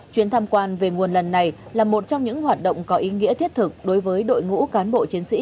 chuyến tham quan về nguồn lần này là một trong những hoạt động có ý nghĩa thiết thực đối với đội ngũ cán bộ chiến sĩ